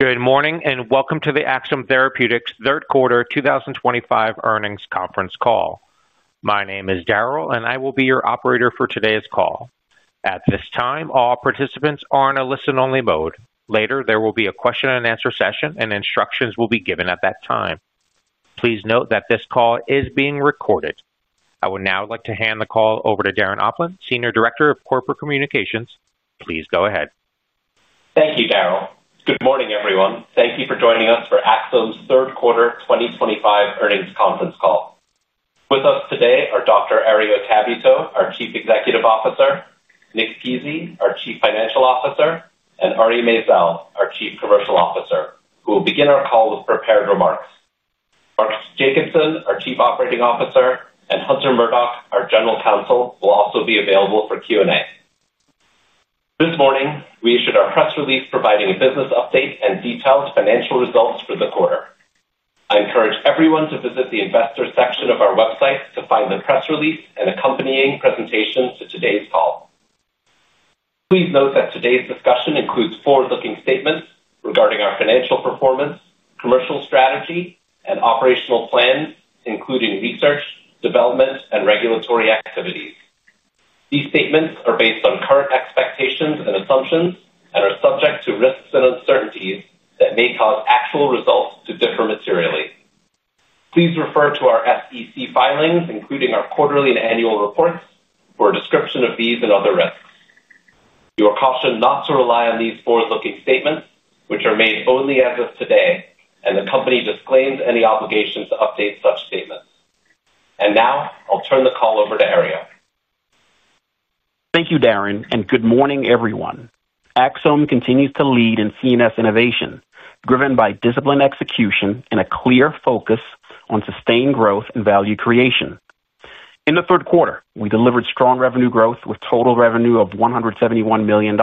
Good morning and welcome to the Axsome Therapeutics Third Quarter 2025 Earnings Conference Call. My name is Darrell, and I will be your operator for today's call. At this time, all participants are in a listen-only mode. Later, there will be a question-and-answer session, and instructions will be given at that time. Please note that this call is being recorded. I would now like to hand the call over to Darren Opland, Senior Director of Corporate Communications. Please go ahead. Thank you, Darrell. Good morning, everyone. Thank you for joining us for Axsome's Third Quarter 2025 Earnings Conference Call. With us today are Dr. Herriot Tabuteau, our Chief Executive Officer; Nick Pizzie, our Chief Financial Officer; and Ari Maizel, our Chief Commercial Officer, who will begin our call with prepared remarks. Mark Jacobson, our Chief Operating Officer, and Hunter Murdock, our General Counsel, will also be available for Q&A. This morning, we issued our press release providing a business update and detailed financial results for the quarter. I encourage everyone to visit the investor section of our website to find the press release and accompanying presentations to today's call. Please note that today's discussion includes forward-looking statements regarding our financial performance, commercial strategy, and operational plans, including research, development, and regulatory activities. These statements are based on current expectations and assumptions and are subject to risks and uncertainties that may cause actual results to differ materially. Please refer to our SEC filings, including our quarterly and annual reports, for a description of these and other risks. You are cautioned not to rely on these forward-looking statements, which are made only as of today, and the company disclaims any obligation to update such statements. I will turn the call over to Ari. Thank you, Darren, and good morning, everyone. Axsome continues to lead in CNS innovation, driven by disciplined execution and a clear focus on sustained growth and value creation. In the third quarter, we delivered strong revenue growth with total revenue of $171 million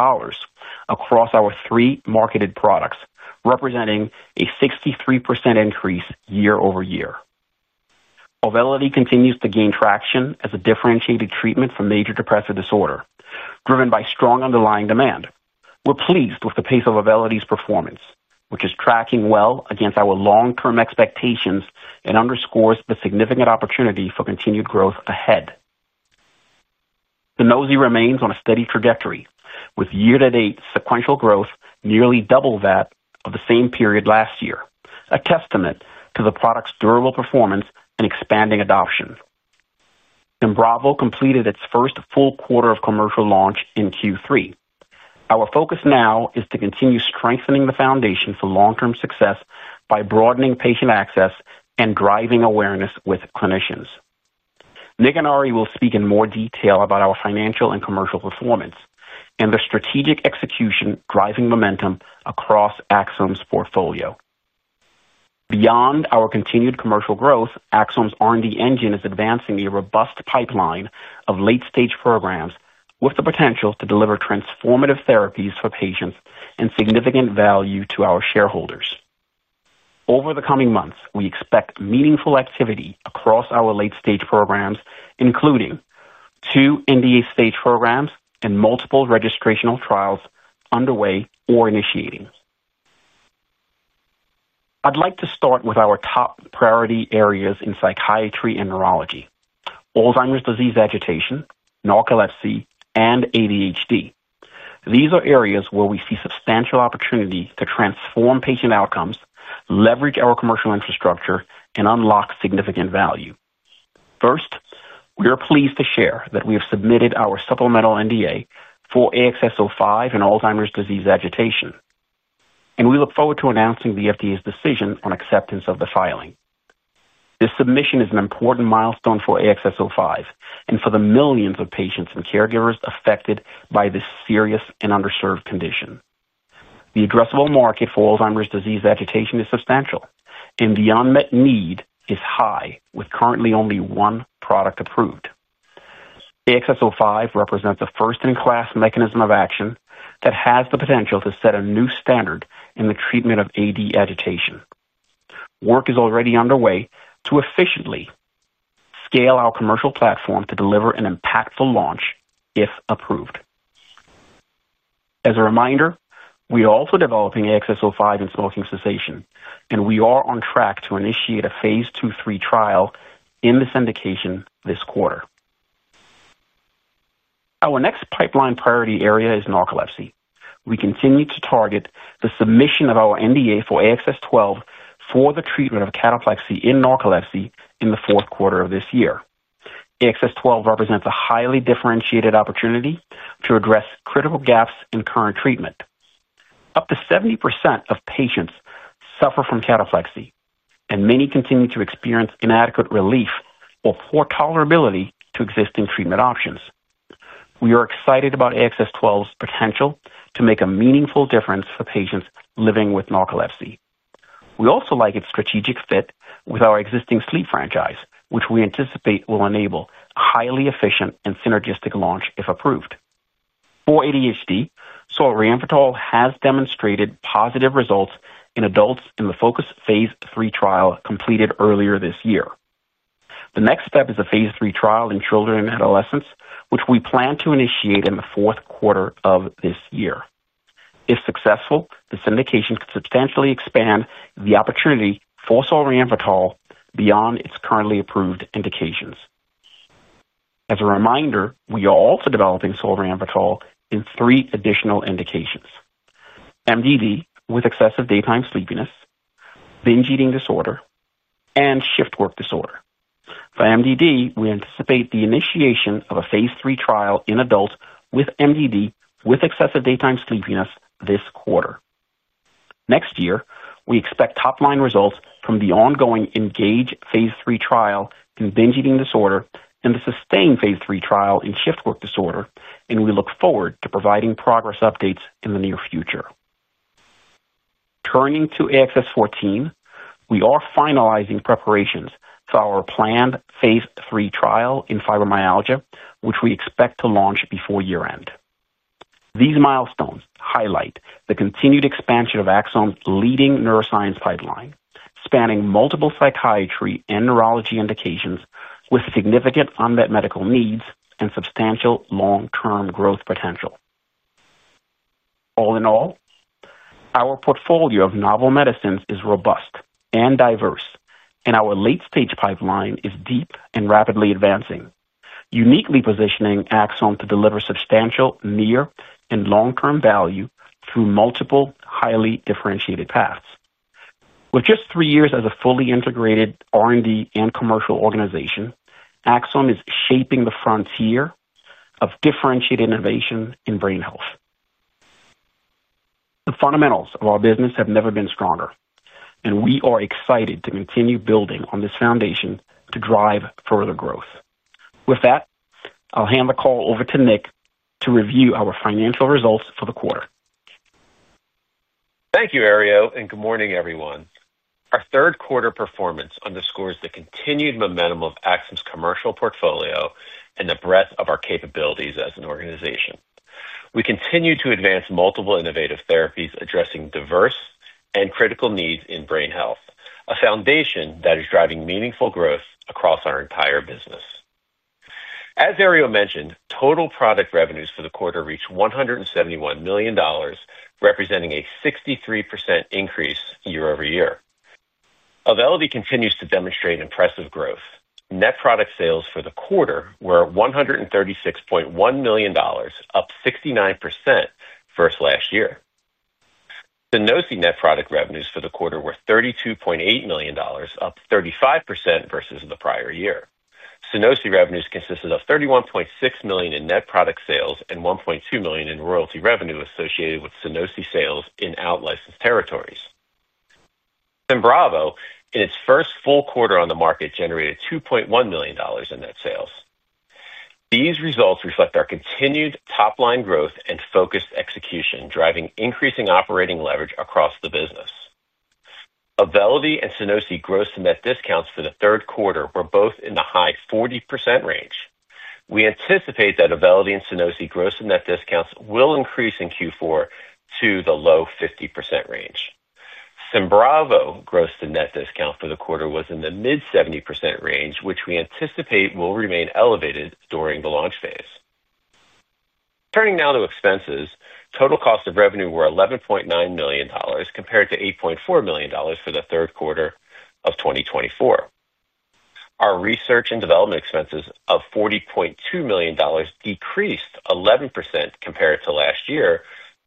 across our three marketed products, representing a 63% increase year-over-year. AUVELITY continues to gain traction as a differentiated treatment for major depressive disorder, driven by strong underlying demand. We're pleased with the pace of AUVELITY's performance, which is tracking well against our long-term expectations and underscores the significant opportunity for continued growth ahead. SUNOSI remains on a steady trajectory, with year-to-date sequential growth nearly double that of the same period last year, a testament to the product's durable performance and expanding adoption. SYMBRAVO completed its first full quarter of commercial launch in Q3. Our focus now is to continue strengthening the foundation for long-term success by broadening patient access and driving awareness with clinicians. Nick and Ari will speak in more detail about our financial and commercial performance and the strategic execution driving momentum across Axsome's portfolio. Beyond our continued commercial growth, Axsome's R&D engine is advancing a robust pipeline of late-stage programs with the potential to deliver transformative therapies for patients and significant value to our shareholders. Over the coming months, we expect meaningful activity across our late-stage programs, including two NDA stage programs and multiple registrational trials underway or initiating. I'd like to start with our top priority areas in psychiatry and neurology: Alzheimer's disease agitation, narcolepsy, and ADHD. These are areas where we see substantial opportunity to transform patient outcomes, leverage our commercial infrastructure, and unlock significant value. First, we are pleased to share that we have submitted our supplemental NDA for AXS-05 in Alzheimer's disease agitation, and we look forward to announcing the FDA's decision on acceptance of the filing. This submission is an important milestone for AXS-05 and for the millions of patients and caregivers affected by this serious and underserved condition. The addressable market for Alzheimer's disease agitation is substantial, and the unmet need is high, with currently only one product approved. AXS-05 represents a first-in-class mechanism of action that has the potential to set a new standard in the treatment of AD agitation. Work is already underway to efficiently scale our commercial platform to deliver an impactful launch if approved. As a reminder, we are also developing AXS-05 in smoking cessation, and we are on track to initiate a Phase 2/3 trial in this indication this quarter. Our next pipeline priority area is narcolepsy. We continue to target the submission of our NDA for AXS-12 for the treatment of cataplexy in narcolepsy in the fourth quarter of this year. AXS-12 represents a highly differentiated opportunity to address critical gaps in current treatment. Up to 70% of patients suffer from cataplexy, and many continue to experience inadequate relief or poor tolerability to existing treatment options. We are excited about AXS-12's potential to make a meaningful difference for patients living with narcolepsy. We also like its strategic fit with our existing sleep franchise, which we anticipate will enable a highly efficient and synergistic launch if approved. For ADHD, solriamfetol has demonstrated positive results in adults in the FOCUS Phase 3 trial completed earlier this year. The next step is a Phase 3 trial in children and adolescents, which we plan to initiate in the fourth quarter of this year. If successful, this indication could substantially expand the opportunity for solriamfetol beyond its currently approved indications. As a reminder, we are also developing solriamfetol in three additional indications: MDD with excessive daytime sleepiness, binge eating disorder, and shift work disorder. For MDD, we anticipate the initiation of a Phase 3 trial in adults with MDD with excessive daytime sleepiness this quarter. Next year, we expect top-line results from the ongoing ENGAGE Phase 3 trial in binge eating disorder and the SUSTAIN Phase 3 trial in shift work disorder, and we look forward to providing progress updates in the near future. Turning to AXS-14, we are finalizing preparations for our planned Phase 3 trial in fibromyalgia, which we expect to launch before year-end. These milestones highlight the continued expansion of Axsome's leading neuroscience pipeline, spanning multiple psychiatry and neurology indications with significant unmet medical needs and substantial long-term growth potential. All in all, our portfolio of novel medicines is robust and diverse, and our late-stage pipeline is deep and rapidly advancing, uniquely positioning Axsome to deliver substantial near and long-term value through multiple highly differentiated paths. With just three years as a fully integrated R&D and commercial organization, Axsome is shaping the frontier of differentiated innovation in brain health. The fundamentals of our business have never been stronger, and we are excited to continue building on this foundation to drive further growth. With that, I'll hand the call over to Nick to review our financial results for the quarter. Thank you, Ari, and good morning, everyone. Our third quarter performance underscores the continued momentum of Axsome's commercial portfolio and the breadth of our capabilities as an organization. We continue to advance multiple innovative therapies addressing diverse and critical needs in brain health, a foundation that is driving meaningful growth across our entire business. As Ari mentioned, total product revenues for the quarter reached $171 million, representing a 63% increase year-over-year. AUVELITY continues to demonstrate impressive growth. Net product sales for the quarter were $136.1 million, up 69% versus last year. SUNOSI net product revenues for the quarter were $32.8 million, up 35% versus the prior year. SUNOSI revenues consisted of $31.6 million in net product sales and $1.2 million in royalty revenue associated with SUNOSI sales in out-licensed territories. SYMBRAVO, in its first full quarter on the market, generated $2.1 million in net sales. These results reflect our continued top-line growth and focused execution, driving increasing operating leverage across the business. AUVELITY and SUNOSI gross-to-net discounts for the third quarter were both in the high 40% range. We anticipate that AUVELITY and SUNOSI gross-to-net discounts will increase in Q4 to the low 50% range. SYMBRAVO gross-to-net discount for the quarter was in the mid-70% range, which we anticipate will remain elevated during the launch phase. Turning now to expenses, total cost of revenue was $11.9 million compared to $8.4 million for the third quarter of 2024. Our research and development expenses of $40.2 million decreased 11% compared to last year,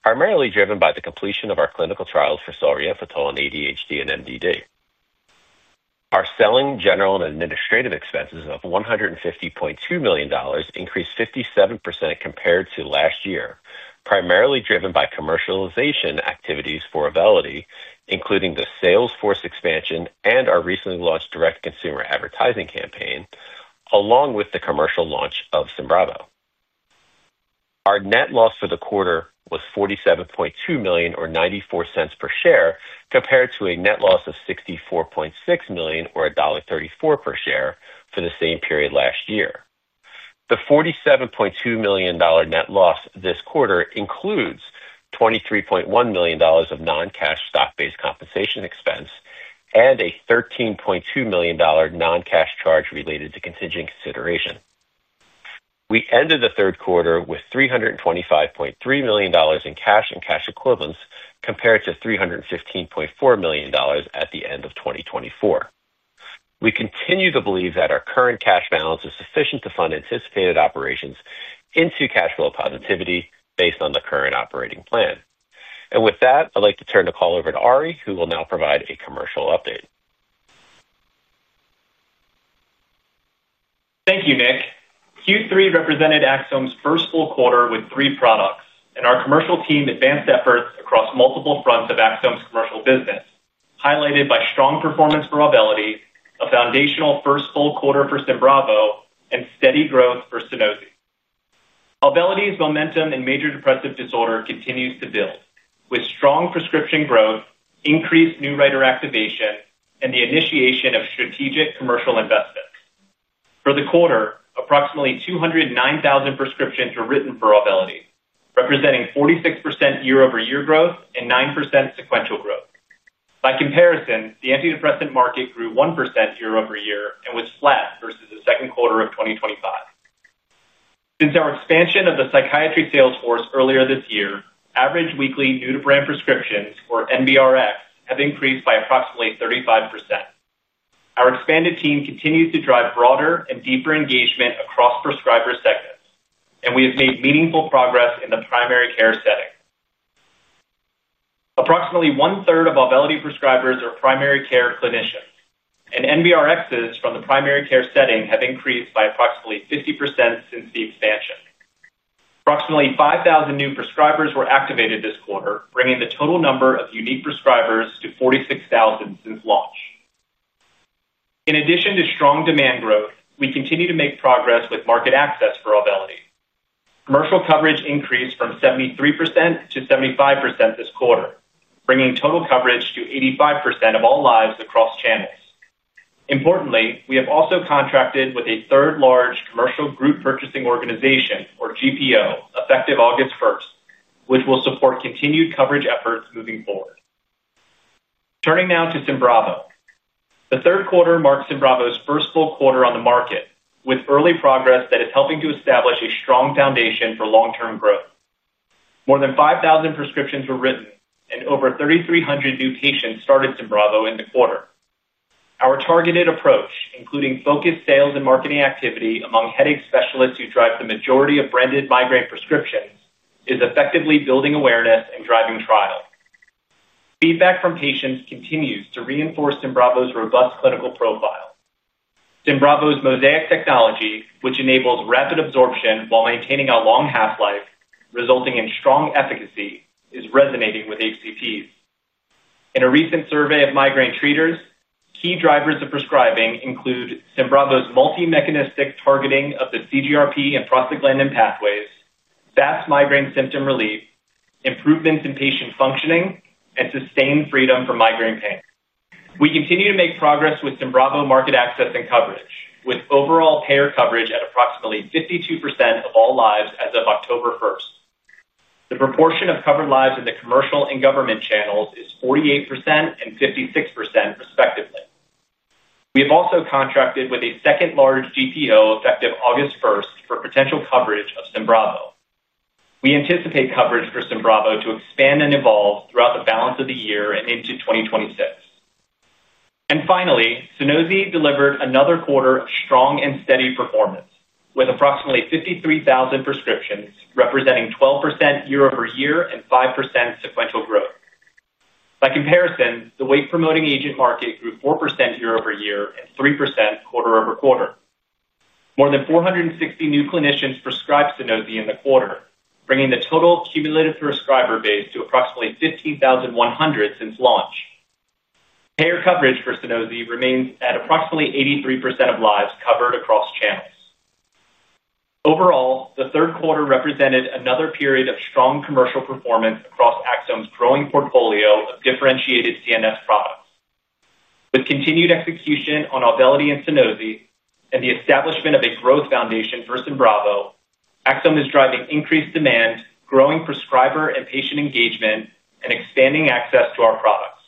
primarily driven by the completion of our clinical trials for solriamfetol in ADHD and MDD. Our selling, general, and administrative expenses of $150.2 million increased 57% compared to last year, primarily driven by commercialization activities for AUVELITY, including the sales force expansion and our recently launched direct-to-consumer advertising campaign, along with the commercial launch of SYMBRAVO. Our net loss for the quarter was $47.2 million, or $0.94 per share, compared to a net loss of $64.6 million, or $1.34 per share, for the same period last year. The $47.2 million net loss this quarter includes $23.1 million of non-cash stock-based compensation expense and a $13.2 million non-cash charge related to contingent consideration. We ended the third quarter with $325.3 million in cash and cash equivalents compared to $315.4 million at the end of 2024. We continue to believe that our current cash balance is sufficient to fund anticipated operations into cash flow positivity based on the current operating plan. With that, I'd like to turn the call over to Ari, who will now provide a commercial update. Thank you, Nick. Q3 represented Axsome's first full quarter with three products, and our commercial team advanced efforts across multiple fronts of Axsome's commercial business, highlighted by strong performance for AUVELITY, a foundational first full quarter for SYMBRAVO, and steady growth for SUNOSI. AUVELITY's momentum in major depressive disorder continues to build, with strong prescription growth, increased new writer activation, and the initiation of strategic commercial investments. For the quarter, approximately 209,000 prescriptions were written for AUVELITY, representing 46% year-over-year growth and 9% sequential growth. By comparison, the antidepressant market grew 1% year-over-year and was flat versus the second quarter of 2025. Since our expansion of the psychiatry sales force earlier this year, average weekly new-to-brand prescriptions, or NBRx, have increased by approximately 35%. Our expanded team continues to drive broader and deeper engagement across prescriber segments, and we have made meaningful progress in the primary care setting. Approximately 1/3 of AUVELITY prescribers are primary care clinicians, and NBRxs from the primary care setting have increased by approximately 50% since the expansion. Approximately 5,000 new prescribers were activated this quarter, bringing the total number of unique prescribers to 46,000 since launch. In addition to strong demand growth, we continue to make progress with market access for AUVELITY. Commercial coverage increased from 73% to 75% this quarter, bringing total coverage to 85% of all lives across channels. Importantly, we have also contracted with a third-large commercial group purchasing organization, or GPO, effective August 1st, which will support continued coverage efforts moving forward. Turning now to SYMBRAVO. The third quarter marked SYMBRAVO's first full quarter on the market, with early progress that is helping to establish a strong foundation for long-term growth. More than 5,000 prescriptions were written, and over 3,300 new patients started SYMBRAVO in the quarter. Our targeted approach, including focused sales and marketing activity among headache specialists who drive the majority of branded migraine prescriptions, is effectively building awareness and driving trial. Feedback from patients continues to reinforce SYMBRAVO's robust clinical profile. SYMBRAVO's Mosaic technology, which enables rapid absorption while maintaining a long half-life, resulting in strong efficacy, is resonating with HCPs. In a recent survey of migraine treaters, key drivers of prescribing include SYMBRAVO's multi-mechanistic targeting of the CGRP and prostaglandin pathways, fast migraine symptom relief, improvements in patient functioning, and sustained freedom from migraine pain. We continue to make progress with SYMBRAVO market access and coverage, with overall payer coverage at approximately 52% of all lives as of October 1st. The proportion of covered lives in the commercial and government channels is 48% and 56%, respectively. We have also contracted with a second-large GPO effective August 1st for potential coverage of SYMBRAVO. We anticipate coverage for SYMBRAVO to expand and evolve throughout the balance of the year and into 2026. Finally, SUNOSI delivered another quarter of strong and steady performance, with approximately 53,000 prescriptions, representing 12% year-over-year and 5% sequential growth. By comparison, the weight-promoting agent market grew 4% year-over-year and 3% quarter-over-quarter. More than 460 new clinicians prescribed SUNOSI in the quarter, bringing the total cumulative prescriber base to approximately 15,100 since launch. Payer coverage for SUNOSI remains at approximately 83% of lives covered across channels. Overall, the third quarter represented another period of strong commercial performance across Axsome's growing portfolio of differentiated CNS products. With continued execution on AUVELITY and SUNOSI and the establishment of a growth foundation for SYMBRAVO, Axsome is driving increased demand, growing prescriber and patient engagement, and expanding access to our products.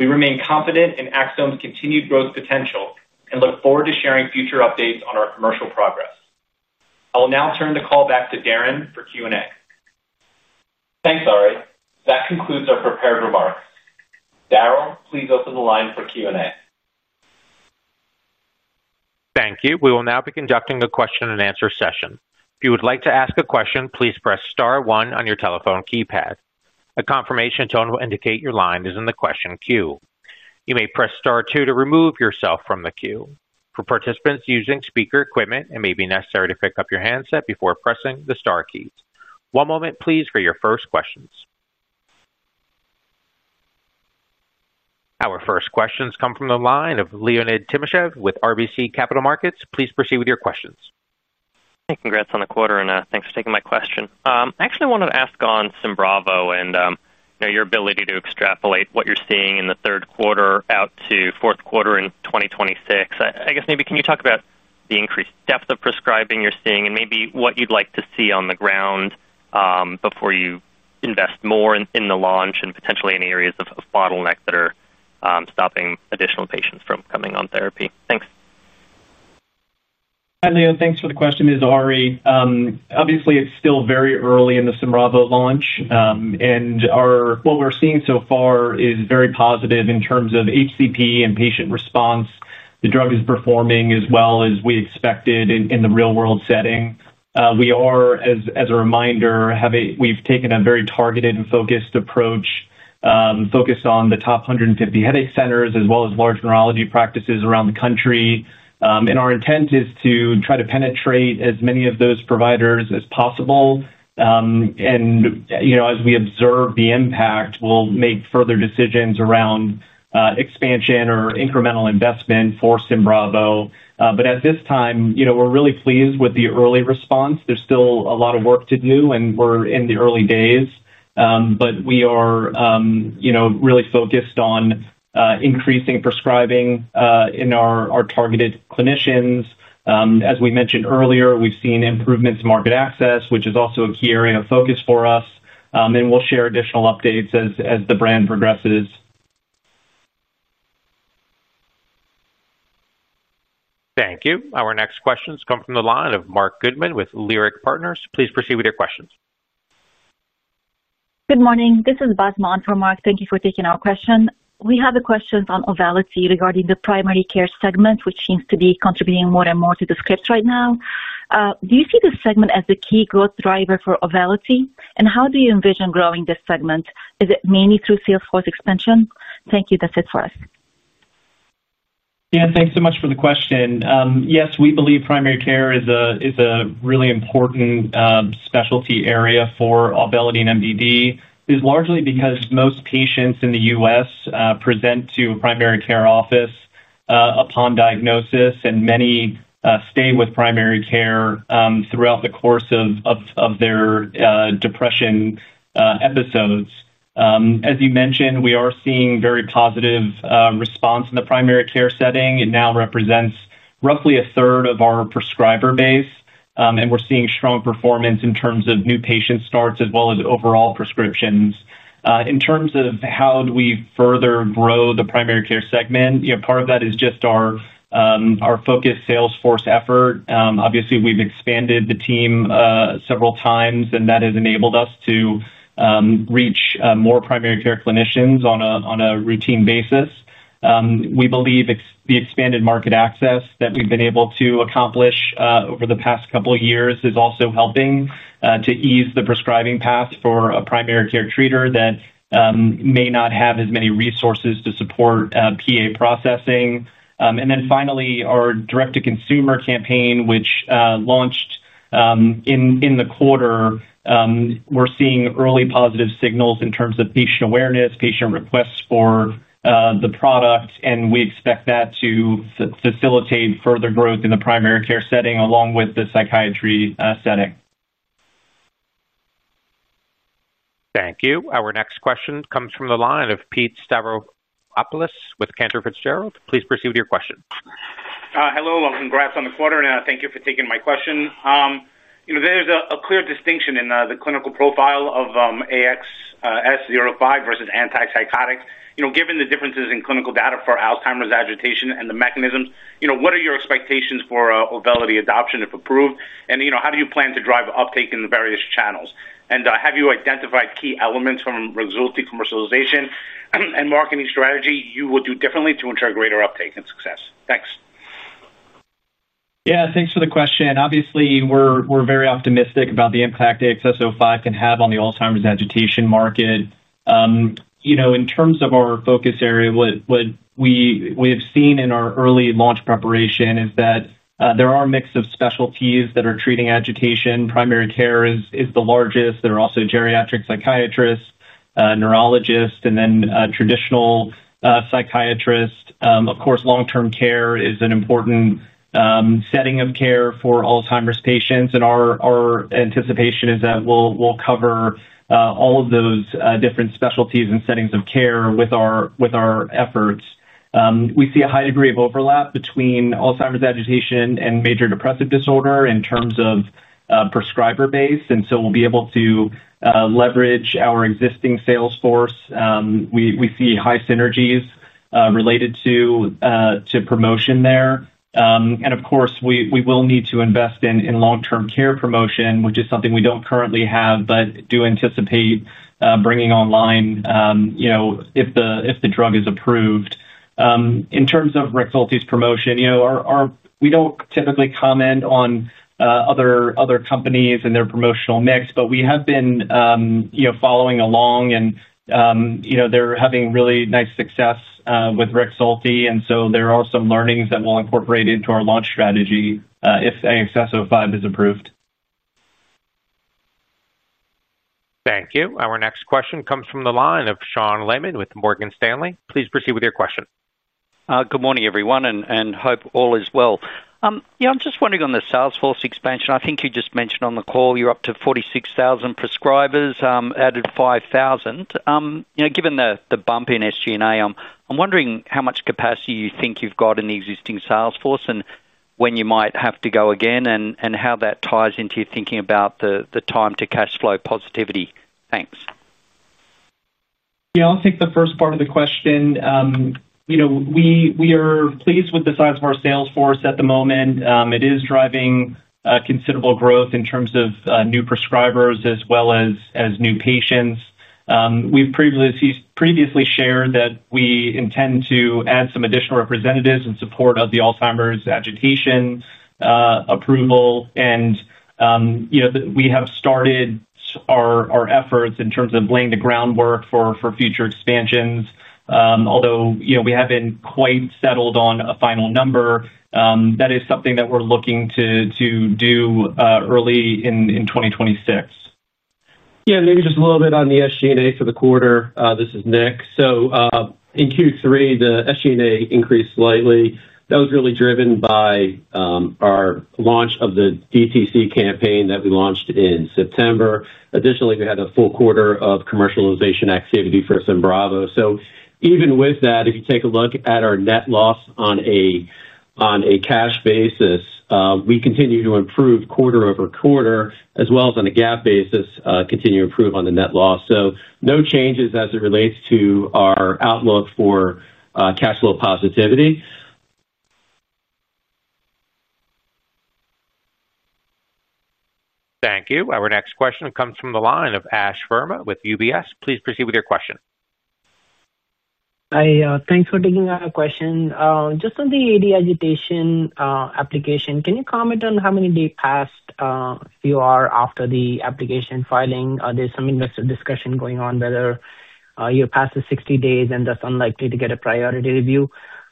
We remain confident in Axsome's continued growth potential and look forward to sharing future updates on our commercial progress. I will now turn the call back to Darren for Q&A. Thanks, Ari. That concludes our prepared remarks. Darrell, please open the line for Q&A. Thank you. We will now be conducting a question-and-answer session. If you would like to ask a question, please press star one on your telephone keypad. A confirmation tone will indicate your line is in the question queue. You may press star two to remove yourself from the queue. For participants using speaker equipment, it may be necessary to pick up your handset before pressing the star keys. One moment, please, for your first questions. Our first questions come from the line of Leonid Timashev with RBC Capital Markets. Please proceed with your questions. Hey, congrats on the quarter, and thanks for taking my question. I actually wanted to ask on SYMBRAVO and your ability to extrapolate what you're seeing in the third quarter out to fourth quarter in 2026. I guess maybe can you talk about the increased depth of prescribing you're seeing? and maybe what you'd like to see on the ground before you invest more in the launch and potentially any areas of bottleneck that are stopping additional patients from coming on therapy? Thanks. Hi, Leo. Thanks for the question. This is Ari. Obviously, it's still very early in the SYMBRAVO launch, and what we're seeing so far is very positive in terms of HCP and patient response. The drug is performing as well as we expected in the real-world setting. We are, as a reminder, we've taken a very targeted and focused approach. Focused on the top 150 headache centers as well as large neurology practices around the country. Our intent is to try to penetrate as many of those providers as possible. As we observe the impact, we'll make further decisions around expansion or incremental investment for SYMBRAVO. At this time, we're really pleased with the early response. There's still a lot of work to do, and we're in the early days. We are really focused on increasing prescribing in our targeted clinicians. As we mentioned earlier, we've seen improvements in market access, which is also a key area of focus for us. We'll share additional updates as the brand progresses. Thank you. Our next questions come from the line of Marc Goodman with Leerink Partners. Please proceed with your questions. Good morning. This is Basma from Marc. Thank you for taking our question. We have a question on AUVELITY regarding the primary care segment, which seems to be contributing more and more to the scripts right now. Do you see the segment as the key growth driver for AUVELITY? and how do you envision growing this segment? Is it mainly through sales force expansion? Thank you. That's it for us. Yeah, thanks so much for the question. Yes, we believe primary care is a really important specialty area for AUVELITY and MDD. It's largely because most patients in the U.S. present to a primary care office upon diagnosis, and many stay with primary care throughout the course of their depression episodes. As you mentioned, we are seeing very positive response in the primary care setting. It now represents roughly a third of our prescriber base, and we're seeing strong performance in terms of new patient starts as well as overall prescriptions. In terms of how do we further grow the primary care segment, part of that is just our focused sales force effort. Obviously, we've expanded the team several times, and that has enabled us to reach more primary care clinicians on a routine basis. We believe the expanded market access that we've been able to accomplish over the past couple of years is also helping to ease the prescribing path for a primary care treater that may not have as many resources to support PA processing. And then finally, our direct-to-consumer campaign, which launched in the quarter. We're seeing early positive signals in terms of patient awareness, patient requests for the product, and we expect that to facilitate further growth in the primary care setting along with the psychiatry setting. Thank you. Our next question comes from the line of Pete Stavropoulos with Cantor Fitzgerald. Please proceed with your question. Hello, and congrats on the quarter, and thank you for taking my question. There is a clear distinction in the clinical profile of AXS-05 versus antipsychotics. Given the differences in clinical data for Alzheimer's agitation and the mechanisms, what are your expectations for AUVELITY adoption if approved? How do you plan to drive uptake in the various channels? Have you identified key elements from resulting commercialization and marketing strategy you will do differently to ensure greater uptake and success? Thanks. Yeah, thanks for the question. Obviously, we're very optimistic about the impact AXS-05 can have on the Alzheimer's agitation market. In terms of our focus area, what we have seen in our early launch preparation is that there are a mix of specialties that are treating agitation. Primary care is the largest. There are also geriatric psychiatrists, neurologists, and then traditional psychiatrists. Of course, long-term care is an important setting of care for Alzheimer's patients, and our anticipation is that we'll cover all of those different specialties and settings of care with our efforts. We see a high degree of overlap between Alzheimer's agitation and major depressive disorder in terms of prescriber base, and so we'll be able to leverage our existing sales force. We see high synergies related to promotion there. Of course, we will need to invest in long-term care promotion, which is something we don't currently have, but do anticipate bringing online if the drug is approved. In terms of REXULTI's promotion, we don't typically comment on other companies and their promotional mix, but we have been following along, and they're having really nice success with REXULTI, and so there are some learnings that we'll incorporate into our launch strategy if AXS-05 is approved. Thank you. Our next question comes from the line of Sean Laaman with Morgan Stanley. Please proceed with your question. Good morning, everyone, and hope all is well. I'm just wondering on the sales force expansion. I think you just mentioned on the call you're up to 46,000 prescribers, added 5,000. Given the bump in SG&A, I'm wondering how much capacity you think you've got in the existing sales force? and when you might have to go again and how that ties into your thinking about the time-to-cash flow positivity? Thanks. Yeah, I'll take the first part of the question. We are pleased with the size of our sales force at the moment. It is driving considerable growth in terms of new prescribers as well as new patients. We've previously shared that we intend to add some additional representatives in support of the Alzheimer's agitation approval, and we have started our efforts in terms of laying the groundwork for future expansions, although we haven't quite settled on a final number. That is something that we're looking to do early in 2026. Yeah, maybe just a little bit on the SG&A for the quarter. This is Nick. In Q3, the SG&A increased slightly. That was really driven by our launch of the DTC campaign that we launched in September. Additionally, we had a full quarter of commercialization activity for SYMBRAVO. Even with that, if you take a look at our net loss on a cash basis, we continue to improve quarter-over-quarter, as well as on a GAAP basis, continue to improve on the net loss. No changes as it relates to our outlook for cash flow positivity. Thank you. Our next question comes from the line of Ash Verma with UBS. Please proceed with your question. Hi, thanks for taking our question. Just on the AD agitation application, can you comment on how many days past you are after the application filing? There's some investigative discussion going on whether you're past the 60 days and thus unlikely to get a priority review.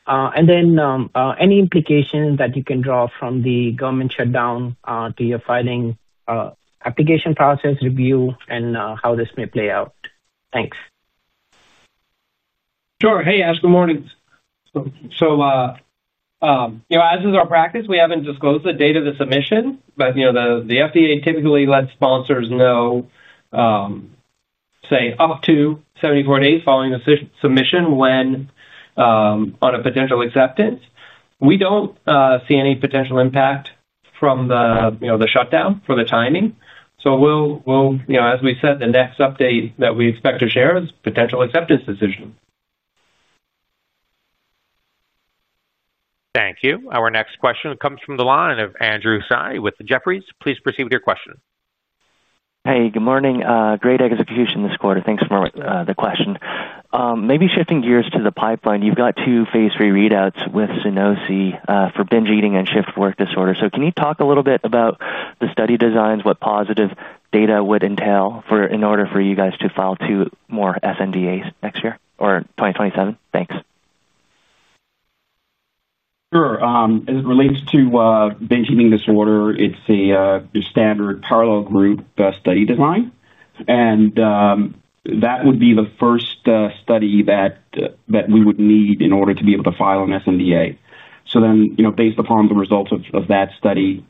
Any implications that you can draw from the government shutdown to your filing application process review and how this may play out? Thanks. Sure. Hey, Ash, good morning. As is our practice, we haven't disclosed the date of the submission, but the FDA typically lets sponsors know up to 74 days following the submission when on a potential acceptance. We don't see any potential impact from the shutdown for the timing. As we said, the next update that we expect to share is a potential acceptance decision. Thank you. Our next question comes from the line of Andrew Tsai with Jefferies. Please proceed with your question. Hey, good morning. Great execution this quarter. Thanks for the question. Maybe shifting gears to the pipeline, you've got two Phase 3 readouts with SUNOSI for binge eating and shift work disorder. Can you talk a little bit about the study designs? what positive data would entail in order for you guys to file two more sNDA next year or 2027? Thanks. Sure. As it relates to binge eating disorder, it's a standard parallel group study design. That would be the first study that we would need in order to be able to file an sNDA. Based upon the results of that study,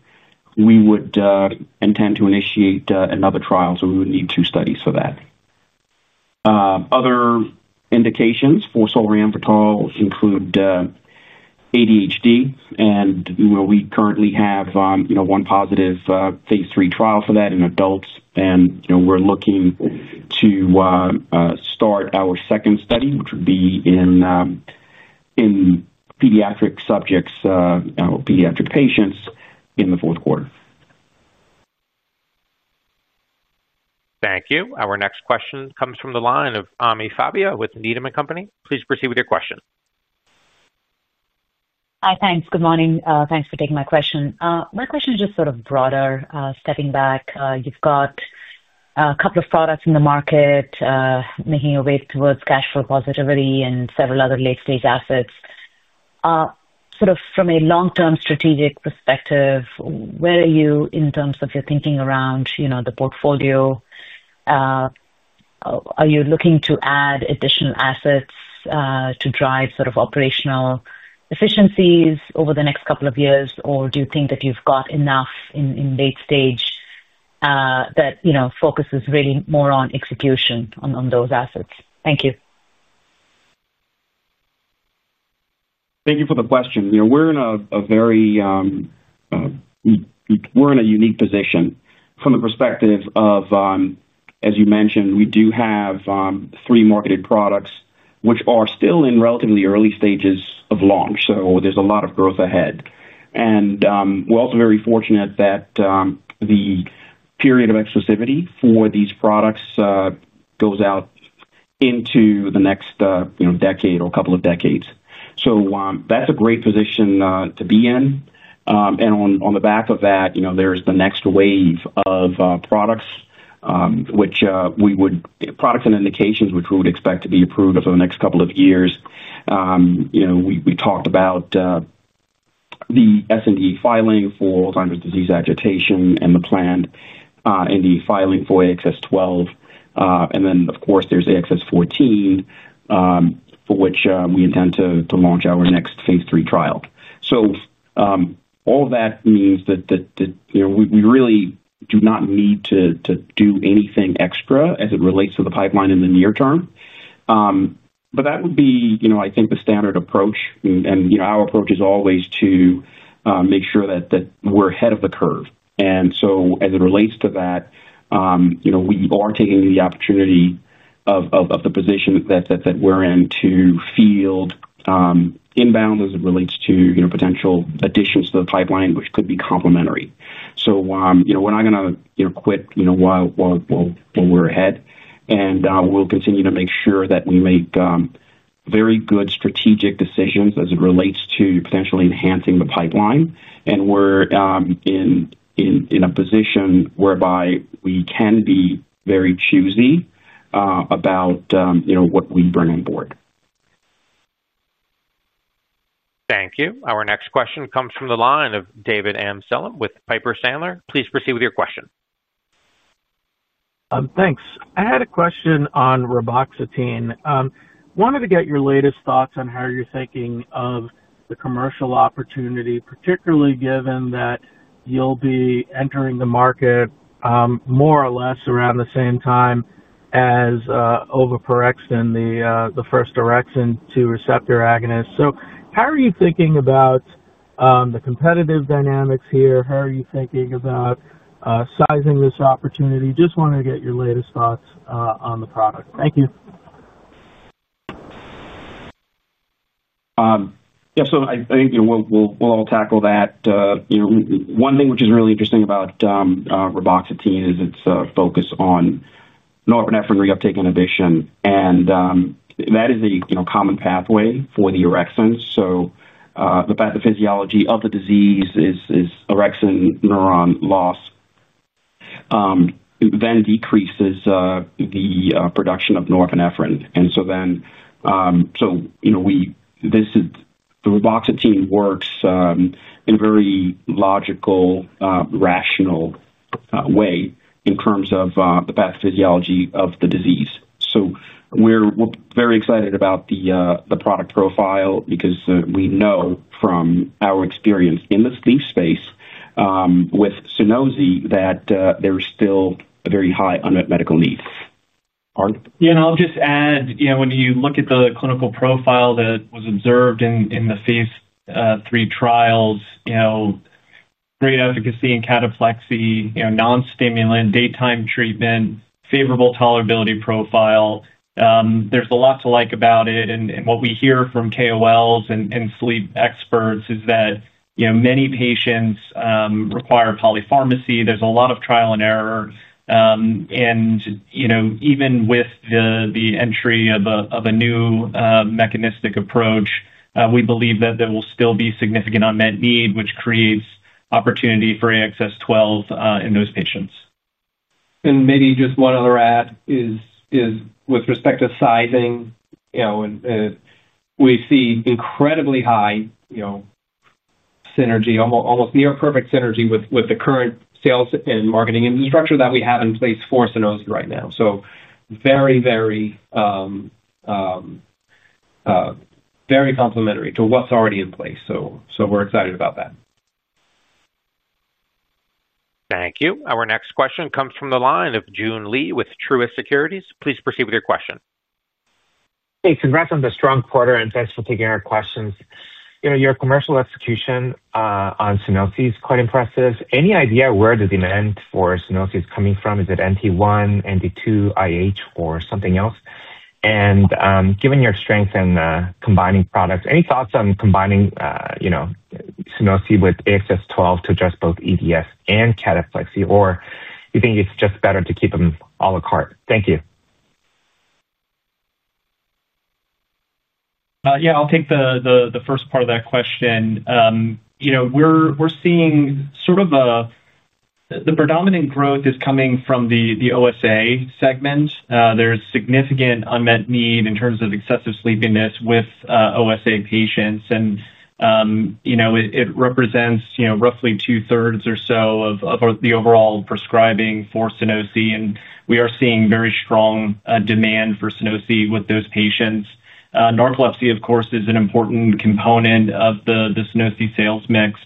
we would intend to initiate another trial. We would need two studies for that. Other indications for solriamfetol include ADHD, and we currently have one positive Phase 3 trial for that in adults. We're looking to start our second study, which would be in pediatric subjects or pediatric patients in the fourth quarter. Thank you. Our next question comes from the line of Ami Fadia with Needham & Company. Please proceed with your question. Hi, thanks. Good morning. Thanks for taking my question. My question is just sort of broader, stepping back. You've got a couple of products in the market, making your way towards cash flow positivity and several other late-stage assets. Sort of from a long-term strategic perspective, where are you in terms of your thinking around the portfolio? Are you looking to add additional assets to drive sort of operational efficiencies over the next couple of years, or do you think that you've got enough in late stage that focuses really more on execution on those assets? Thank you. Thank you for the question. We're in a very unique position. From the perspective of, as you mentioned, we do have three marketed products, which are still in relatively early stages of launch. There's a lot of growth ahead. We're also very fortunate that the period of exclusivity for these products goes out into the next decade or a couple of decades. That's a great position to be in. On the back of that, there's the next wave of products and indications which we would expect to be approved over the next couple of years. We talked about the sNDA filing for AD agitation and the planned NDA filing for AXS-12. Then, of course, there's AXS-14, for which we intend to launch our next Phase 3 trial. All of that means that we really do not need to do anything extra as it relates to the pipeline in the near term. That would be, I think, the standard approach. Our approach is always to make sure that we're ahead of the curve. As it relates to that, we are taking the opportunity of the position that we're in to field inbound as it relates to potential additions to the pipeline, which could be complementary. We're not going to quit while we're ahead, and we'll continue to make sure that we make very good strategic decisions as it relates to potentially enhancing the pipeline. We're in a position whereby we can be very choosy about what we bring on board. Thank you. Our next question comes from the line of David Amsellem with Piper Sandler. Please proceed with your question. Thanks. I had a question on reboxetine. Wanted to get your latest thoughts on how you're thinking of the commercial opportunity, particularly given that you'll be entering the market more or less around the same time as ovaparexin, the first orexin 2 receptor agonist? How are you thinking about the competitive dynamics here? How are you thinking about sizing this opportunity? Just wanted to get your latest thoughts on the product. Thank you. Yeah, I think we'll all tackle that. One thing which is really interesting about roboxetine is its focus on norepinephrine reuptake inhibition. That is a common pathway for the orexin. The pathophysiology of the disease is orexin neuron loss, which then decreases the production of norepinephrine. This roboxetine works in a very logical, rational way in terms of the pathophysiology of the disease. We're very excited about the product profile because we know from our experience in the sleep space with SUNOSI that there's still a very high unmet medical need. I'll just add, when you look at the clinical profile that was observed in the Phase 3 trials, great efficacy in cataplexy, non-stimulant, daytime treatment, favorable tolerability profile. There's a lot to like about it. What we hear from KOLs and sleep experts is that many patients require polypharmacy. There's a lot of trial and error. Even with the entry of a new mechanistic approach, we believe that there will still be significant unmet need, which creates opportunity for AXS-12 in those patients. Maybe just one other add is, with respect to sizing, we see incredibly high synergy, almost near perfect synergy with the current sales and marketing infrastructure that we have in place for SUNOSI right now. Very, very complementary to what's already in place. We're excited about that. Thank you. Our next question comes from the line of Joon Lee with Truist Securities. Please proceed with your question. Hey, congrats on the strong quarter, and thanks for taking our questions. Your commercial execution on SUNOSI is quite impressive. Any idea where the demand for SUNOSI is coming from? Is it NT1, NT2, IH, or something else? Given your strength in combining products, any thoughts on combining SUNOSI with AXS-12 to address both EDS and cataplexy, or do you think it's just better to keep them à la carte? Thank you. Yeah, I'll take the first part of that question. We're seeing sort of a. The predominant growth is coming from the OSA segment. There's significant unmet need in terms of excessive sleepiness with OSA patients. It represents roughly 2/3 or so of the overall prescribing for SUNOSI. We are seeing very strong demand for SUNOSI with those patients. Narcolepsy, of course, is an important component of the SUNOSI sales mix.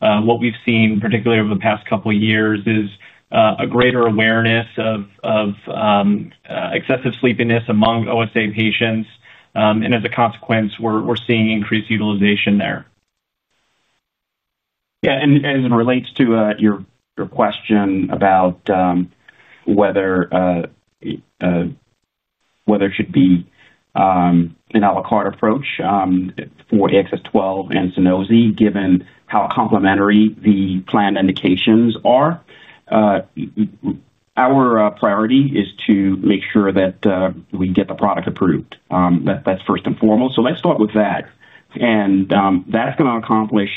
What we've seen, particularly over the past couple of years, is a greater awareness of excessive sleepiness among OSA patients. As a consequence, we're seeing increased utilization there. Yeah. As it relates to your question about whether it should be an à la carte approach for AXS-12 and SUNOSI, given how complementary the planned indications are, our priority is to make sure that we get the product approved. That's first and foremost. Let's start with that. That's going to accomplish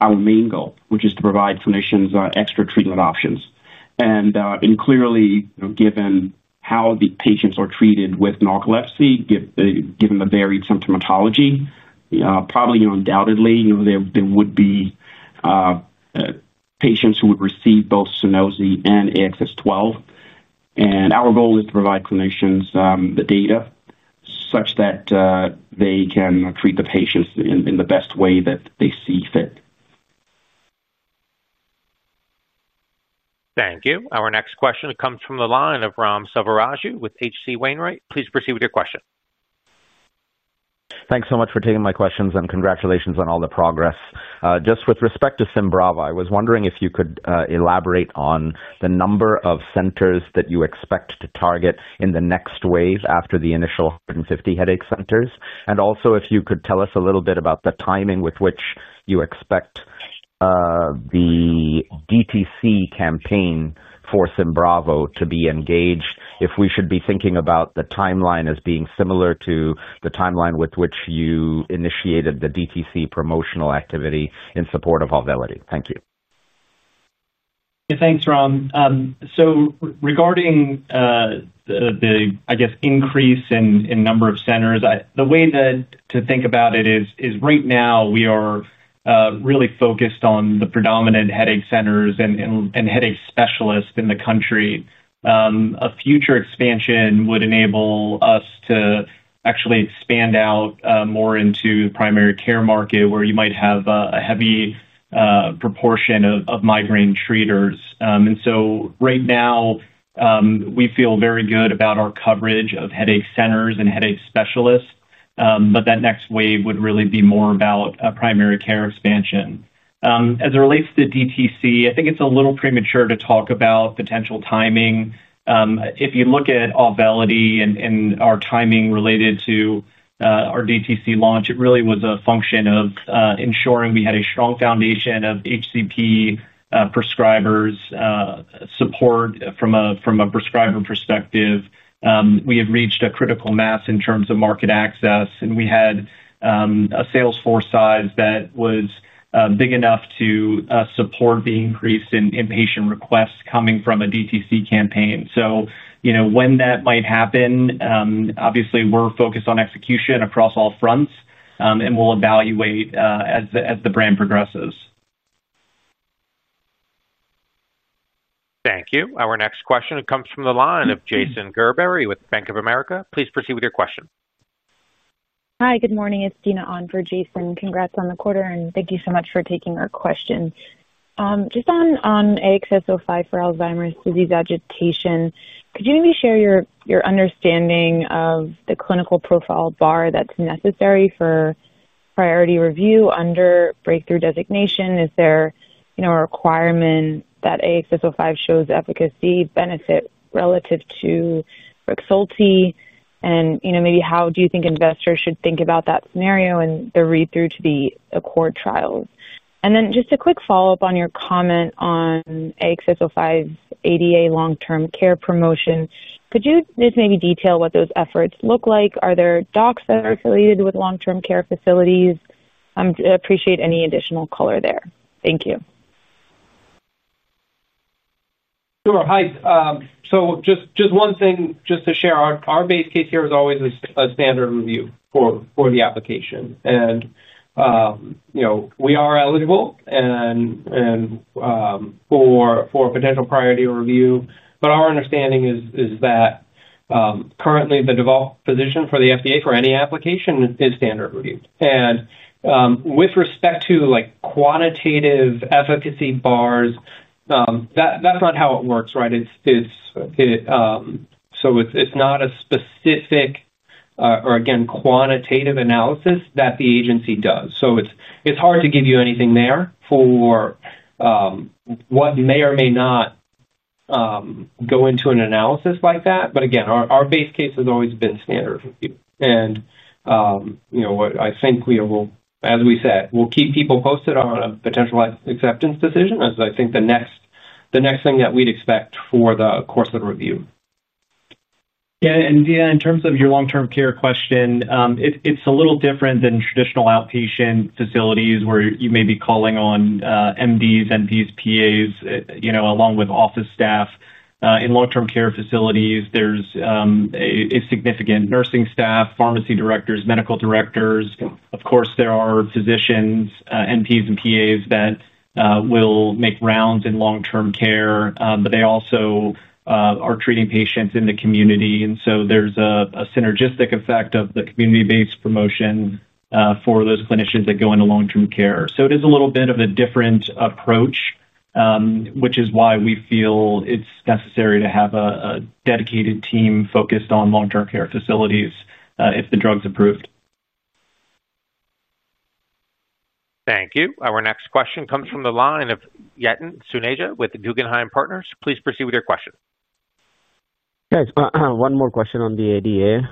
our main goal, which is to provide clinicians extra treatment options. Clearly, given how the patients are treated with narcolepsy, given the varied symptomatology, probably undoubtedly, there would be patients who would receive both SUNOSI and AXS-12. Our goal is to provide clinicians the data such that they can treat the patients in the best way that they see fit. Thank you. Our next question comes from the line of Raghuram Selvaraju with H.C. Wainwright. Please proceed with your question. Thanks so much for taking my questions, and congratulations on all the progress. Just with respect to SYMBRAVO, I was wondering if you could elaborate on the number of centers that you expect to target in the next wave after the initial 150 headache centers? Also, if you could tell us a little bit about the timing with which you expect the DTC campaign for SYMBRAVO to be engaged, if we should be thinking about the timeline as being similar to the timeline with which you initiated the DTC promotional activity in support of AUVELITY? Thank you. Thanks, Ram. So regarding the, I guess, increase in number of centers, the way to think about it is right now we are really focused on the predominant headache centers and headache specialists in the country. A future expansion would enable us to actually expand out more into the primary care market, where you might have a heavy proportion of migraine treaters. And so right now we feel very good about our coverage of headache centers and headache specialists. That next wave would really be more about primary care expansion. As it relates to DTC, I think it's a little premature to talk about potential timing. If you look at AUVELITY and our timing related to our DTC launch, it really was a function of ensuring we had a strong foundation of HCP prescribers, support from a prescriber perspective. We had reached a critical mass in terms of market access, and we had a sales force size that was big enough to support the increase in patient requests coming from a DTC campaign. When that might happen, obviously, we're focused on execution across all fronts, and we'll evaluate as the brand progresses. Thank you. Our next question comes from the line of Jason Gerberry with Bank of America. Please proceed with your question. Hi, good morning. It's Dina On for Jason. Congrats on the quarter, and thank you so much for taking our question. Just on AXS-05 for Alzheimer’s disease agitation, could you maybe share your understanding of the clinical profile bar that's necessary for priority review under breakthrough designation? Is there a requirement that AXS-05 shows efficacy benefit relative to REXULTI? How do you think investors should think about that scenario and the read-through to the core trials? A quick follow-up on your comment on AXS-05's ADA long-term care promotion. Could you just maybe detail what those efforts look like? Are there docs that are affiliated with long-term care facilities? Appreciate any additional color there. Thank you. Sure. Hi. Just one thing to share. Our base case here is always a standard review for the application. We are eligible for potential priority review, but our understanding is that currently, the default position for the FDA for any application is standard review. With respect to quantitative efficacy bars, that's not how it works, right? It's not a specific or, again, quantitative analysis that the agency does. It's hard to give you anything there for what may or may not go into an analysis like that. Again, our base case has always been standard review. I think, as we said, we'll keep people posted on a potential acceptance decision as I think the next thing that we'd expect for the course of review. Yeah. Dina, in terms of your long-term care question, it's a little different than traditional outpatient facilities where you may be calling on MDs, NPs, PAs, along with office staff. In long-term care facilities, there's a significant nursing staff, pharmacy directors, medical directors. Of course, there are physicians, NPs, and PAs that will make rounds in long-term care. They also are treating patients in the community, and so there's a synergistic effect of the community-based promotion for those clinicians that go into long-term care. It is a little bit of a different approach, which is why we feel it's necessary to have a dedicated team focused on long-term care facilities if the drug's approved. Thank you. Our next question comes from the line of Yatin Suneja with Guggenheim Partners. Please proceed with your question. Thanks. One more question on the ADA.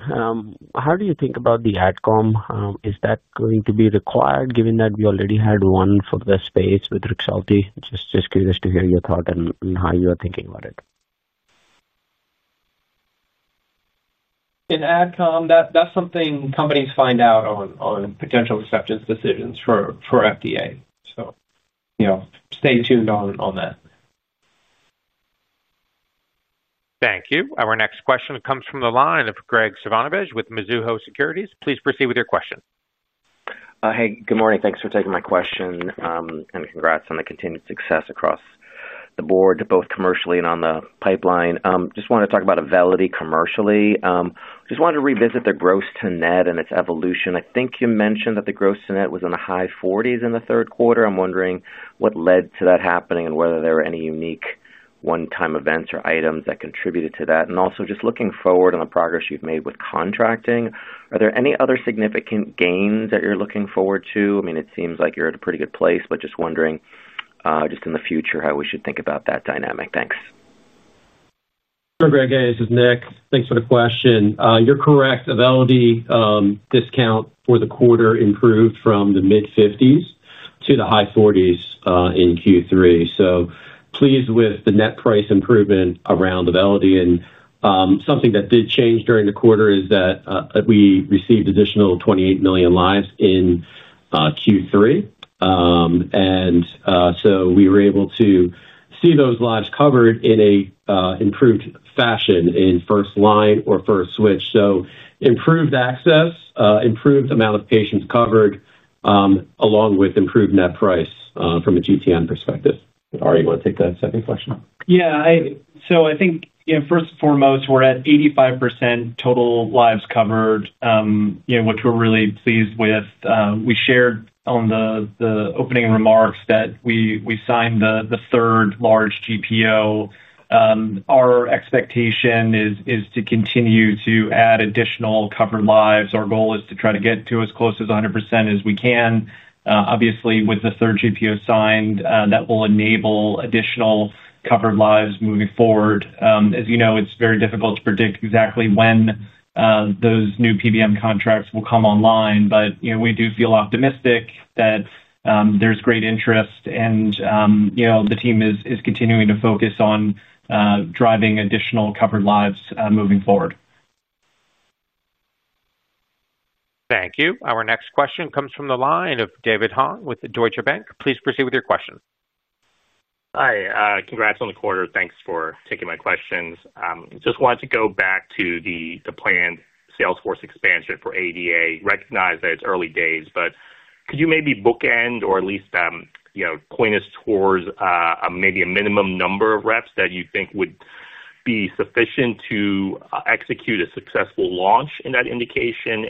How do you think about the ADCOM? Is that going to be required, given that we already had one for the space with REXULTI? Just curious to hear your thought and how you are thinking about it. In ADCOM, that's something companies find out on potential reception decisions for FDA. Stay tuned on that. Thank you. Our next question comes from the line of Graig Suvannavejh with Mizuho Securities. Please proceed with your question. Hey, good morning. Thanks for taking my question. And congrats on the continued success across the board, both commercially and on the pipeline. Just wanted to talk about AUVELITY commercially. Just wanted to revisit the gross-to-net and its evolution. I think you mentioned that the gross-to-net was in the high 40% in the third quarter. I'm wondering what led to that happening and whether there were any unique one-time events or items that contributed to that? Also, just looking forward on the progress you've made with contracting, are there any other significant gains that you're looking forward to? I mean, it seems like you're at a pretty good place, but just wondering just in the future how we should think about that dynamic. Thanks. Sure, Greg. Hey, this is Nick. Thanks for the question. You're correct. AUVELITY discount for the quarter improved from the mid-50% to the high 40% in Q3. Pleased with the net price improvement around AUVELITY. Something that did change during the quarter is that we received additional 28 million lives in Q3. We were able to see those lives covered in an improved fashion in first line or first switch. Improved access, improved amount of patients covered, along with improved net price from a GTN perspective. All right. You want to take that second question? Yeah. I think, first and foremost, we're at 85% total lives covered, which we're really pleased with. We shared on the opening remarks that we signed the third large GPO. Our expectation is to continue to add additional covered lives. Our goal is to try to get to as close as 100% as we can. Obviously, with the third GPO signed, that will enable additional covered lives moving forward. As you know, it's very difficult to predict exactly when those new PBM contracts will come online. We do feel optimistic that there's great interest, and the team is continuing to focus on driving additional covered lives moving forward. Thank you. Our next question comes from the line of David Hoang with Deutsche Bank. Please proceed with your question. Hi. Congrats on the quarter. Thanks for taking my questions. Just wanted to go back to the planned sales force expansion for ADA. Recognize that it's early days, but could you maybe bookend or at least point us towards maybe a minimum number of reps that you think would be sufficient to execute a successful launch in that indication?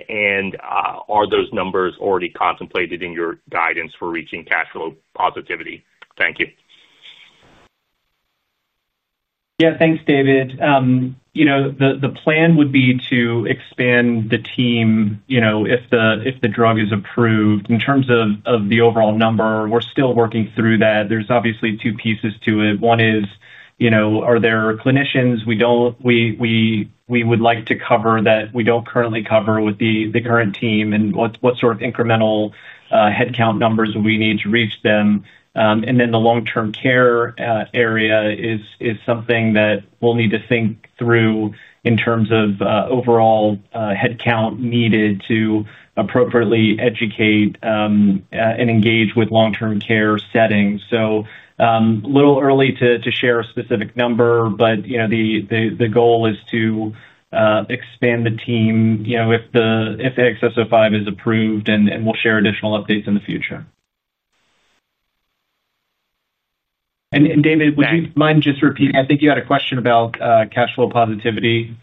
Are those numbers already contemplated in your guidance for reaching cash flow positivity? Thank you. Yeah. Thanks, David. The plan would be to expand the team if the drug is approved. In terms of the overall number, we're still working through that. There's obviously two pieces to it. One is, are there clinicians we would like to cover that we don't currently cover with the current team and what sort of incremental headcount numbers we need to reach them. The long-term care area is something that we'll need to think through in terms of overall headcount needed to appropriately educate and engage with long-term care settings. A little early to share a specific number, but the goal is to expand the team if the AXS-05 is approved, and we'll share additional updates in the future. David, would you mind just repeating? I think you had a question about cash flow positivity.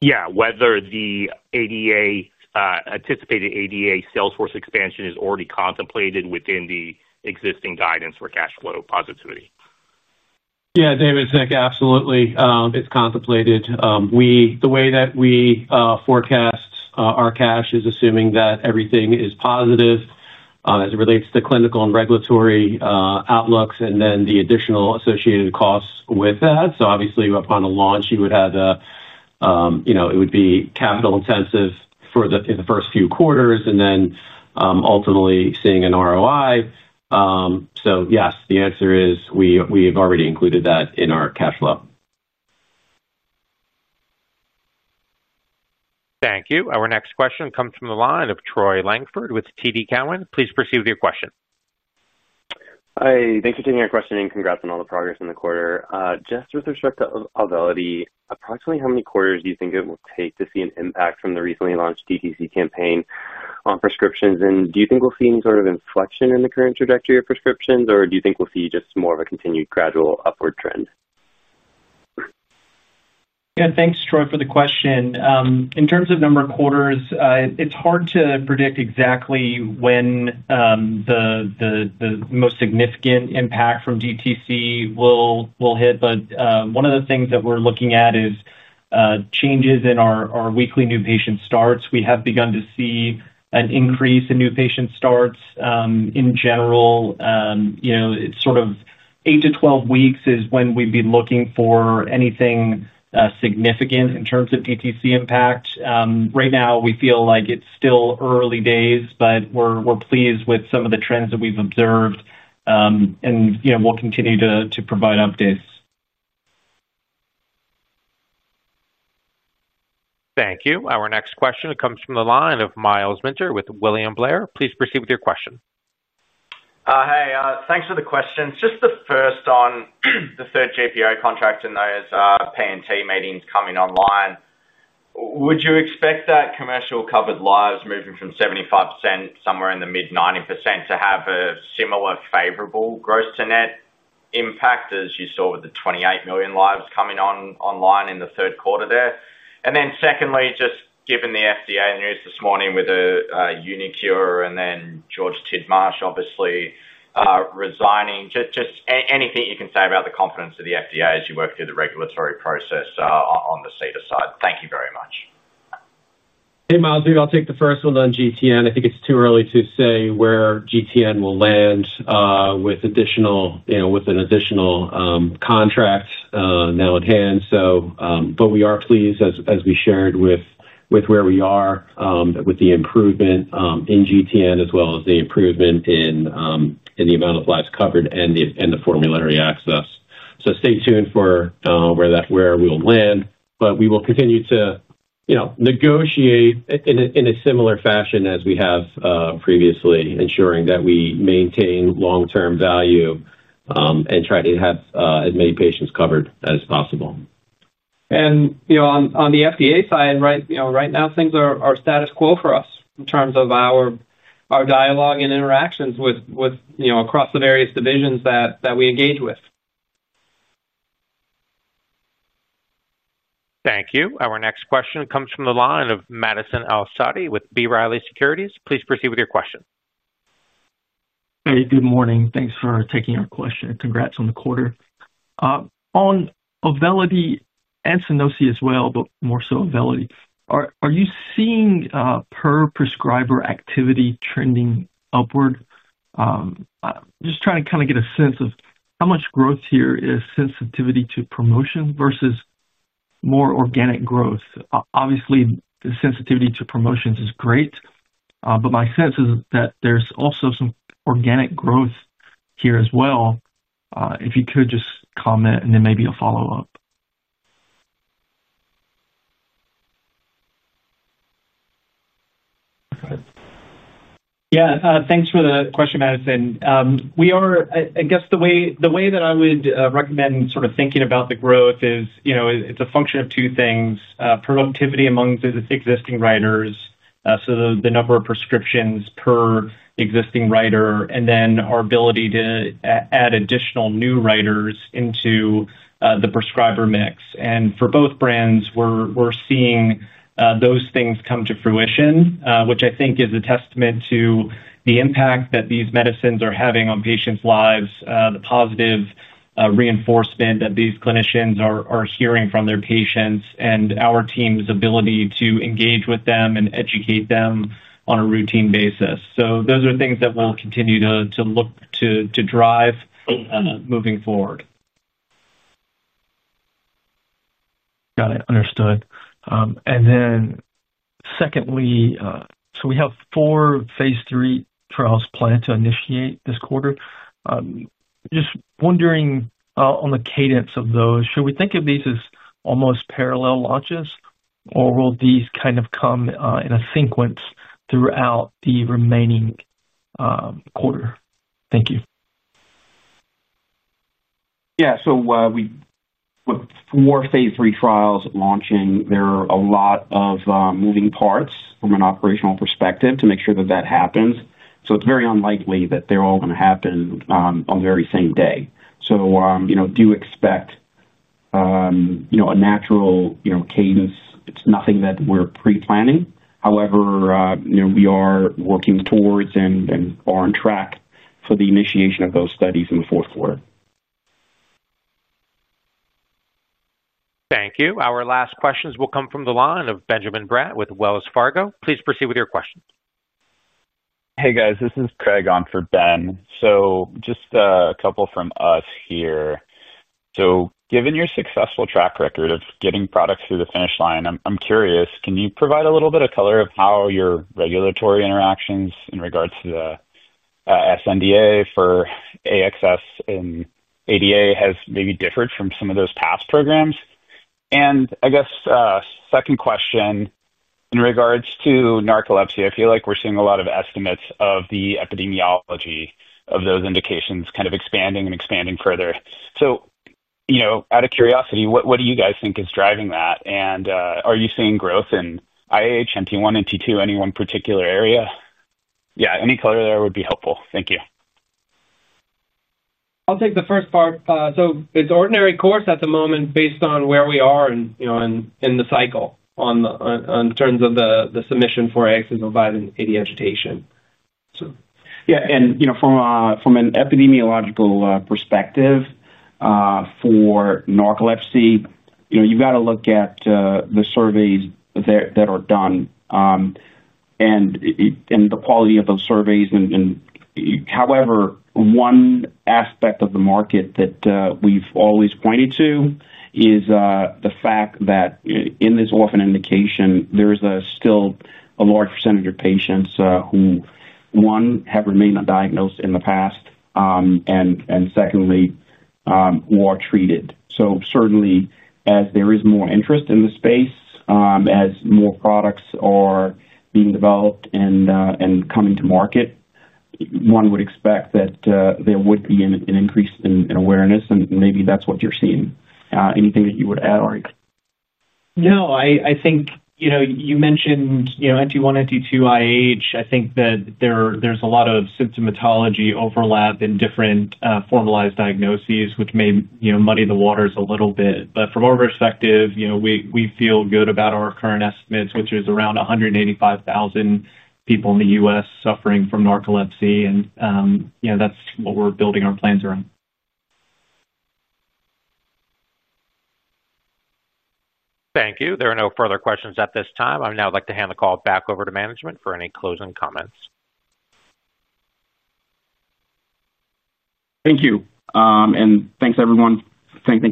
Yeah. Whether the anticipated ADA sales force expansion is already contemplated within the existing guidance for cash flow positivity? Yeah. David, it's Nick. Absolutely. It's contemplated. The way that we forecast our cash is assuming that everything is positive as it relates to clinical and regulatory outlooks and then the additional associated costs with that. Obviously, upon a launch, you would have the, it would be capital-intensive for the first few quarters and then ultimately seeing an ROI. Yes, the answer is we have already included that in our cash flow. Thank you. Our next question comes from the line of Troy Langford with TD Cowen. Please proceed with your question. Hi. Thanks for taking our question and congrats on all the progress in the quarter. Just with respect to AUVELITY, approximately how many quarters do you think it will take to see an impact from the recently launched DTC campaign on prescriptions? Do you think we'll see any sort of inflection in the current trajectory of prescriptions, or do you think we'll see just more of a continued gradual upward trend? Yeah. Thanks, Troy, for the question. In terms of number of quarters, it's hard to predict exactly when the most significant impact from DTC will hit. One of the things that we're looking at is changes in our weekly new patient starts. We have begun to see an increase in new patient starts in general. It's sort of 8 weeks to 12 weeks is when we'd be looking for anything significant in terms of DTC impact. Right now, we feel like it's still early days, but we're pleased with some of the trends that we've observed. We'll continue to provide updates. Thank you. Our next question comes from the line of Myles Minter with William Blair. Please proceed with your question. Hi. Thanks for the question. Just the first on the third JPI contract and those [Pay and T] maintenance coming online. Would you expect that commercial covered lives moving from 75% somewhere in the mid-90% to have a similar favorable gross-to-net impact as you saw with the 28 million lives coming online in the third quarter there? Secondly, just given the FDA news this morning with Unicure and then George Tidmarsh, obviously resigning, just anything you can say about the confidence of the FDA as you work through the regulatory process. On the Cedar side. Thank you very much. Hey, Miles, I'll take the first one on GTN. I think it's too early to say where GTN will land with an additional contract now at hand. We are pleased, as we shared, with where we are, with the improvement in GTN as well as the improvement in the amount of lives covered and the formulary access. Stay tuned for where we'll land. We will continue to negotiate in a similar fashion as we have previously, ensuring that we maintain long-term value and try to have as many patients covered as possible. On the FDA side, right now, things are status quo for us in terms of our dialogue and interactions across the various divisions that we engage with. Thank you. Our next question comes from the line of Madison El-Saadi with B. Riley Securities. Please proceed with your question. Hey, good morning. Thanks for taking our question. Congrats on the quarter. On AUVELITY and SUNOSI as well, but more so AUVELITY, are you seeing per prescriber activity trending upward? Just trying to kind of get a sense of how much growth here is sensitivity to promotion versus more organic growth? Obviously, the sensitivity to promotions is great. My sense is that there's also some organic growth here as well. If you could just comment, and then maybe a follow-up. Yeah. Thanks for the question, Madison. I guess the way that I would recommend sort of thinking about the growth is it's a function of two things: productivity among existing writers, so the number of prescriptions per existing writer, and then our ability to add additional new writers into the prescriber mix. For both brands, we're seeing those things come to fruition, which I think is a testament to the impact that these medicines are having on patients' lives, the positive reinforcement that these clinicians are hearing from their patients, and our team's ability to engage with them and educate them on a routine basis. Those are things that we'll continue to look to drive moving forward. Got it. Understood. Secondly, we have four Phase 3 trials planned to initiate this quarter. Just wondering on the cadence of those, should we think of these as almost parallel launches, or will these kind of come in a sequence throughout the remaining quarter? Thank you. Yeah. With four Phase 3 trials launching, there are a lot of moving parts from an operational perspective to make sure that that happens. It's very unlikely that they're all going to happen on the very same day. Do expect a natural cadence. It's nothing that we're pre-planning. However, we are working towards and are on track for the initiation of those studies in the fourth quarter. Thank you. Our last questions will come from the line of Benjamin [Burnett] with Wells Fargo. Please proceed with your question. Hey, guys. This is Craig on for Ben. Just a couple from us here. Given your successful track record of getting products through the finish line, I'm curious, can you provide a little bit of color on how your regulatory interactions in regards to the supplemental NDA for AXS and ADA have maybe differed from some of those past programs? I guess second question in regards to narcolepsy, I feel like we're seeing a lot of estimates of the epidemiology of those indications kind of expanding and expanding further. Out of curiosity, what do you guys think is driving that? Are you seeing growth in IH, NT1, NT2, any one particular area? Any color there would be helpful. Thank you. I'll take the first part. It is ordinary course at the moment based on where we are in the cycle in terms of the submission for AXS-05 and AD agitation. Yeah. From an epidemiological perspective, for narcolepsy, you have to look at the surveys that are done and the quality of those surveys. However, one aspect of the market that we have always pointed to is the fact that in this orphan indication, there is still a large percentage of patients who, one, have remained undiagnosed in the past, and secondly, who are treated. Certainly, as there is more interest in the space, as more products are being developed and coming to market, one would expect that there would be an increase in awareness, and maybe that is what you are seeing. Anything that you would add, Ari? No. I think you mentioned NT1, NT2, IH. I think that there is a lot of symptomatology overlap in different formalized diagnoses, which may muddy the waters a little bit. From our perspective, we feel good about our current estimates, which is around 185,000 people in the U.S. suffering from narcolepsy, and that is what we are building our plans around. Thank you. There are no further questions at this time. I now would like to hand the call back over to management for any closing comments. Thank you. Thank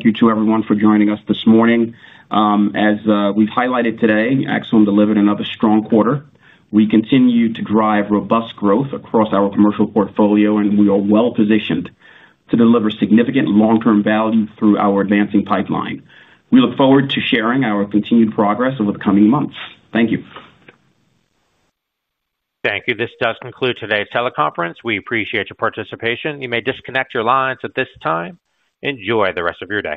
you to everyone for joining us this morning. As we've highlighted today, Axsome delivered another strong quarter. We continue to drive robust growth across our commercial portfolio, and we are well positioned to deliver significant long-term value through our advancing pipeline. We look forward to sharing our continued progress over the coming months. Thank you. Thank you. This does conclude today's teleconference. We appreciate your participation. You may disconnect your lines at this time. Enjoy the rest of your day.